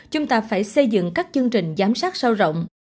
chúng ta phải xây dựng các chương trình giám sát sâu rộng